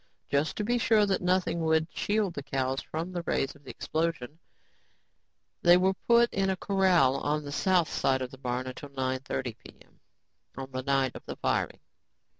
Just to be sure that nothing would shield the cows from the rays of the explosion, they were put in a corral on the south side of the barn until 9:30 p.m., on the night of the firing.